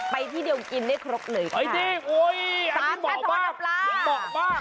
ไปที่เดียวกินได้ครบเลยค่ะไปจริงโอ้ยอันนี้เหมาะป่ะสามท่านทอดอันปรา